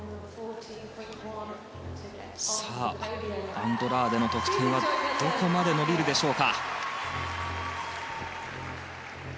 アンドラーデの得点はどこまで伸びるでしょうか。